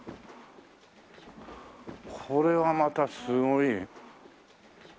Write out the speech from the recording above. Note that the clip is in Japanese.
これはまたすごい。